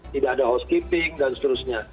tidak ada housekeeping dan seterusnya